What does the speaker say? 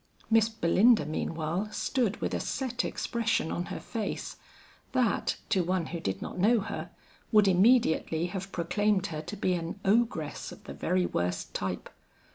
Miss Belinda meanwhile stood with a set expression on her face, that, to one who did not know her, would immediately have proclaimed her to be an ogress of the very worst type.